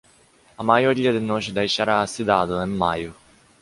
A maioria de nós deixará a cidade em maio.